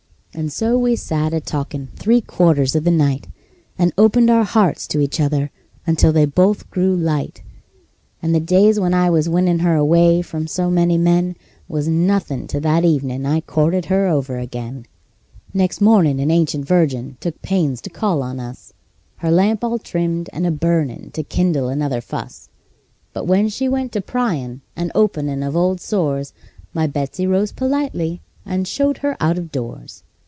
And so we sat a talkin' three quarters of the night, And opened our hearts to each other until they both grew light; And the days when I was winnin' her away from so many men Was nothin' to that evenin' I courted her over again. Next mornin' an ancient virgin took pains to call on us, Her lamp all trimmed and a burnin' to kindle another fuss; But when she went to pryin' and openin' of old sores, My Betsey rose politely, and showed her out of doors. "MY BETSEY ROSE POLITELY, AND SHOWED HER OUT OF DOORS."